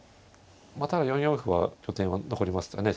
まあただ４四歩は拠点は残りましたよね